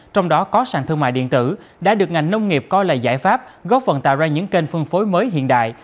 trong đó có sàn thương mại điện tử đã được ngành nông nghiệp coi là giải pháp góp phần tạo ra những kênh phân phối mới hiện đại